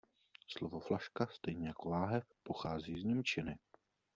Slovo flaška, stejně jako láhev, pochází z němčiny.